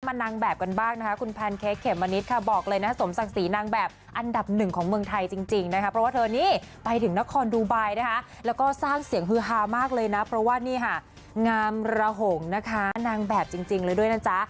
นางแบบกันบ้างนะคะคุณแพนเค้กเขมมะนิดค่ะบอกเลยนะสมศักดิ์ศรีนางแบบอันดับหนึ่งของเมืองไทยจริงนะคะเพราะว่าเธอนี่ไปถึงนครดูไบนะคะแล้วก็สร้างเสียงฮือฮามากเลยนะเพราะว่านี่ค่ะงามระหงนะคะนางแบบจริงเลยด้วยนะจ๊ะ